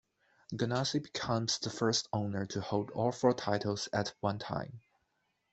Ganassi becomes the first owner to hold all four titles at one time.